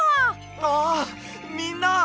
ああっみんな！